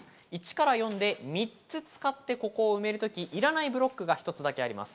１から４で３つ使ってここを埋める時、いらないブロックが１つあります。